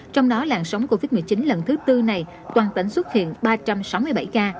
trong đó làn sóng covid một mươi chín lần thứ tư này toàn tỉnh xuất hiện ba trăm sáu mươi bảy ca